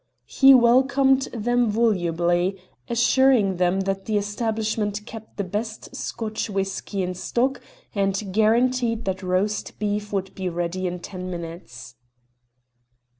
He welcomed them volubly, assuring them that the establishment kept the best Scotch whisky in stock, and guaranteed that roast beef would be ready in ten minutes.